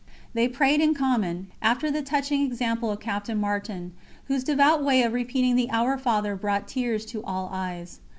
They prayed in common after the touching example of Captain Martin, whose devout way of repeating the Our Father brought tears to all eyes.